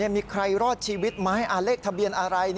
มีใครรอดชีวิตไหมเลขทะเบียนอะไร